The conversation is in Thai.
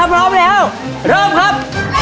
พร้อมแล้วเริ่มครับ